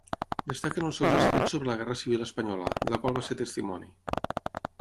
Destaquen els seus escrits sobre la Guerra Civil espanyola, de la qual va ser testimoni.